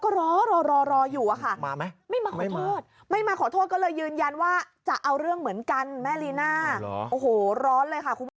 กูก็อ่านข่าวจากนักข่าว